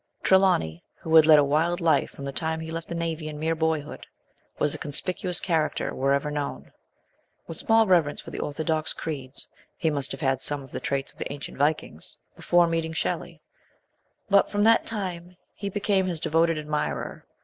Trelawny, who had led a wild life from the time he left the navy in mere boyhood, was a conspicuous character wherever known. With small reverence for the orthodox creeds, he must have had some of the traits of the ancient Vikings, before meeting Shelley ; but from that time he became his devoted admirer, 158 MBS.